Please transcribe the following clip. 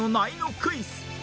クイズ